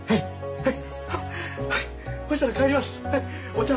はい！